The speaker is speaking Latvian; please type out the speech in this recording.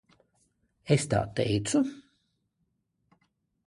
Es tā teicu?